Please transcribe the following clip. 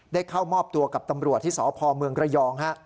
เข้ามอบตัวกับตำรวจที่สพเมืองระยองฮะ